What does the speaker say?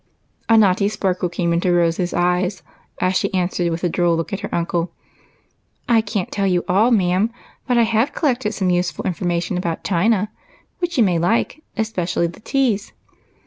" A naughty sparkle came into Rose's eyes as she answered, with a droll look at her uncle, — "I can't tell you all, ma'am, but I have collected some useful information about China, which you may like, especially the teas.